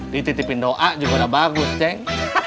dititipin doa juga udah bagus ceng